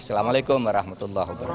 assalamualaikum warahmatullahi wabarakatuh